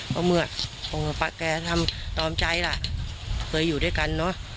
เพราะเมื่อพ่อกับแกทำตอบใจล่ะเคยอยู่ด้วยกันเนอะ